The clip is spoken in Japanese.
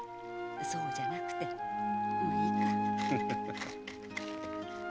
そうじゃなくてまいいか。